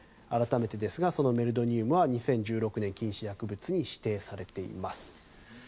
改めてですがメルドニウムは２０１６年禁止薬物に指定されています。